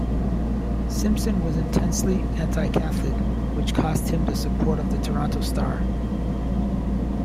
Simpson was intensely anti-Catholic which cost him the support of the "Toronto Star".